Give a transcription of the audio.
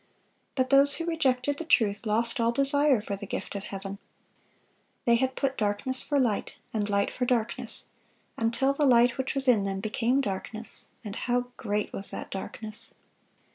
But those who rejected the truth lost all desire for the gift of Heaven. They had "put darkness for light, and light for darkness," until the light which was in them became darkness; and how great was that darkness!